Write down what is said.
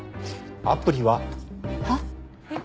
アプリは。はっ？えっ？